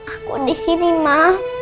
aku disini ma